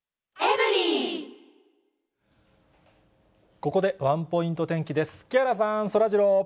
ここでワンポイント天気です。